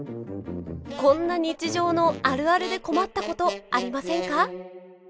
こんな日常のあるあるで困ったことありませんか？